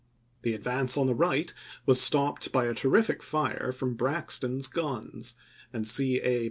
The advance on the right was stopped by a terrific fire from Braxton's guns ; and C. A.